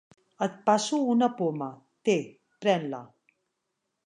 Et passo una poma; té, pren-la!